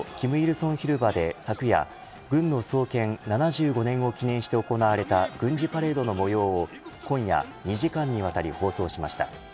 成広場で昨夜軍の創建７５年を記念して行われた軍事パレードの模様を今夜２時間にわたり放送しました。